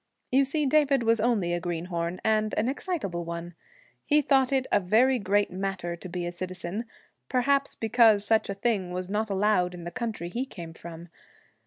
You see David was only a greenhorn, and an excitable one. He thought it a very great matter to be a citizen, perhaps because such a thing was not allowed in the country he came from.